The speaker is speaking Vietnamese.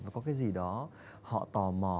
có cái gì đó họ tò mò